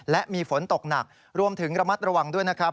และมีฝนตกหนักรวมถึงระมัดระวังด้วยนะครับ